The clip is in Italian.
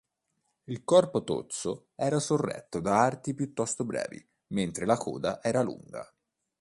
Il corpo tozzo era sorretto da arti piuttosto brevi, mentre la coda era lunga.